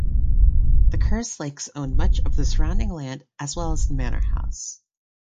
The Kerslakes owned much of the surrounding land as well as the manor house.